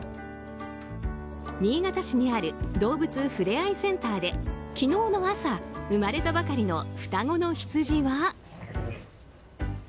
新潟市にある動物ふれあいセンターで昨日の朝、生まれたばかりの双子のヒツジは。